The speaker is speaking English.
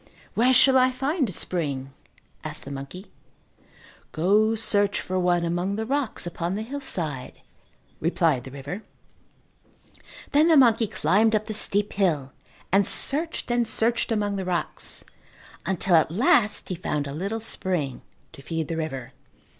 "Where shall I find a spring?" asked the monkey. "Go search for one among the rocks upon the hillside," replied the river. Then the monkey climbed up the steep hill and searched and searched among the rocks until at last he found a little spring to feed the river.